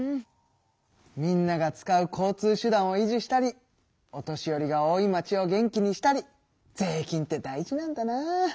みんなが使う交通手段を維持したりお年寄りが多い町を元気にしたり税金って大事なんだな！